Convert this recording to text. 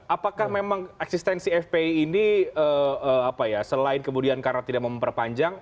apakah memang eksistensi fpi ini selain kemudian karena tidak memperpanjang